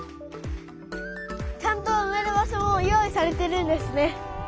ちゃんとうめる場所も用意されてるんですね。